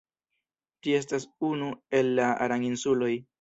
Ĝi estas unu el la Aran-insuloj.